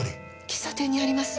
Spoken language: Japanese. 喫茶店にあります。